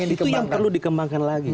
itu yang perlu dikembangkan lagi